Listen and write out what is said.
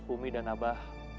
umi dan abah